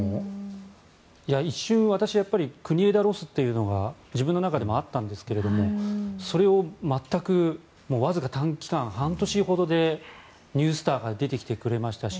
一瞬、私国枝ロスというのが自分の中でもあったんですがそれを全くわずか短期間半年ほどで、ニュースターが出てきてくれましたし